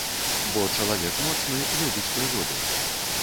Бо чалавек моцны любіць прыгоды.